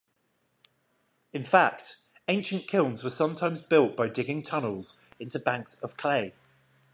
In fact, ancient kilns were sometimes built by digging tunnels into banks of clay.